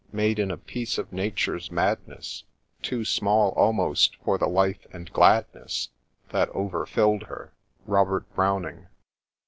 Made in a piece of nature's madness. Too small, almost, for the life and gladness That over filled her." — Robert Browning.